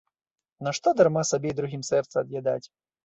Нашто дарма сабе і другім сэрца ад'ядаць.